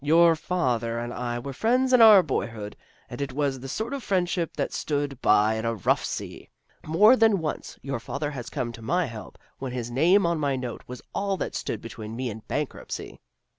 Your father and I were friends in our boyhood and it was the sort of friendship that stood by in a rough sea. More than once your father has come to my help when his name on my note was all that stood between me and bankruptcy."